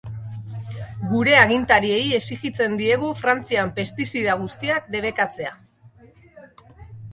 Gure agintariei exijitzen diegu Frantzian pestizida guztiak debekatzea.